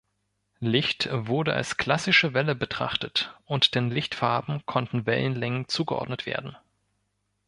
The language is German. Licht wurde als klassische Welle betrachtet und den Lichtfarben konnten Wellenlängen zugeordnet werden.